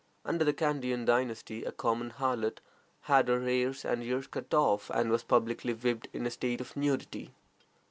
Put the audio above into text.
Under the Kandian dynasty a common harlot had her hair and ears cut off, and was publicly whipped in a state of nudity.